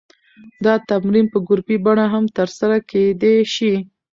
دا تمرین په ګروپي بڼه هم ترسره کېدی شي.